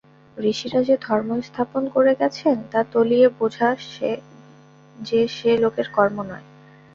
ঋষিরা যে ধর্ম স্থাপন করে গেছেন তা তলিয়ে বোঝা যে-সে লোকের কর্ম নয়।